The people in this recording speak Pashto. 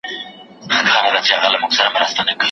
شمع یم یوه شپه په تیاره کي ځلېدلی یم